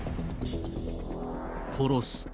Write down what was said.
殺す。